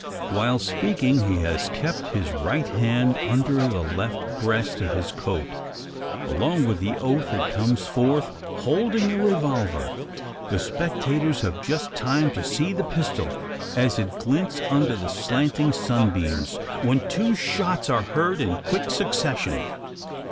While speaking he has kept his right hand under the left breast of his coat. Along with the oath it comes forth, holding a revolver. The spectators have just time to see the pistol as it glints under the slanting sunbeams when two shots are heard in quick succession.